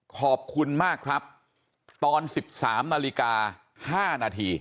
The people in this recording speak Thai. ขอบคุณมากครับตอน๑๓นาฬิกา๕นาที